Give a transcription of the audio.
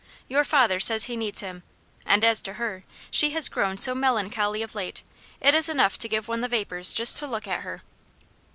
Your father says he needs him, and as to her she has grown so melancholy of late, it is enough to give one the vapors just to look at her."